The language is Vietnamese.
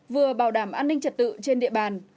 vừa bảo đảm an ninh trật tự trên địa bàn